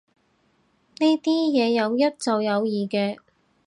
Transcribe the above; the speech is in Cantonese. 呢啲嘢有一就有二嘅